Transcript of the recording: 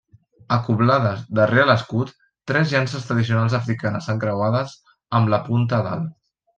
Acoblades darrere l'escut, tres llances tradicionals africanes encreuades, amb la punta a dalt.